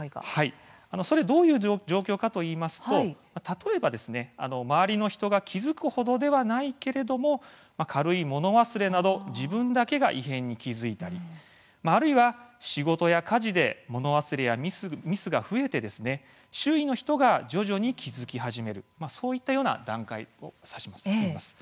どういう状況かといいますと例えば、周りの人が気付くほどではないけれども軽い物忘れなど自分だけが異変に気付くあるいは、仕事や家事で物忘れやミスが増えて周囲の人が徐々に気付き始めるそういった段階を指します。